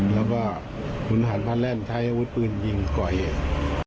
แล้วก็ขุนหารพระแล่นใช้อาวุธปืนยิงก่อเหตุ